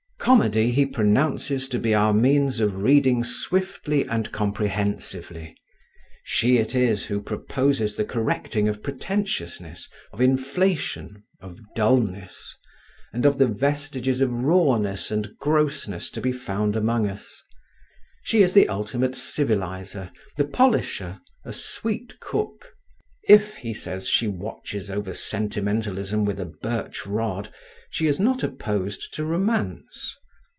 Comedy he pronounces to be our means of reading swiftly and comprehensively. She it is who proposes the correcting of pretentiousness, of inflation, of dulness, and of the vestiges of rawness and grossness to be found among us. She is the ultimate civilizer, the polisher, a sweet cook. If, he says, she watches over sentimentalism with a birch rod, she is not opposed to romance.